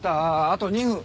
あと２分。